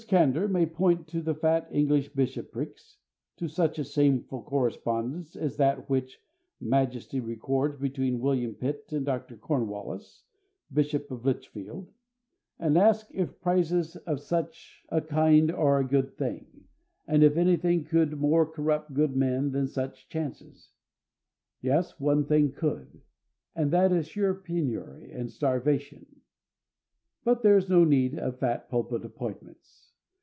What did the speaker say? Candour may point to the fat English bishoprics to such a shameful correspondence as that which Massey records between William Pitt and Dr. Cornwallis, Bishop of Lichfield and ask if prizes of such a kind are a good thing, and if anything could more corrupt good men than such chances. Yes, one thing could; and that is sure penury and starvation. But there is no need of fat pulpit appointments.